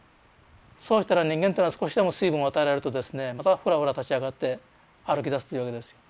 そうしたら人間っていうのは少しでも水分を与えられるとですねまたフラフラ立ち上がって歩きだすというわけですよ。